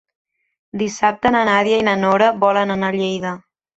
Dissabte na Nàdia i na Nora volen anar a Lleida.